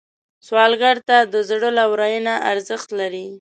سوالګر ته د زړه لورینه ارزښت لري